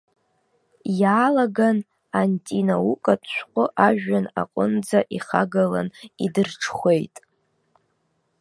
Иаалаган антинаукатә шәҟәы ажәҩан аҟынӡа ихагалан идырҽхәеит.